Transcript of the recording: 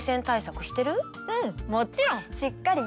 うんもちろん！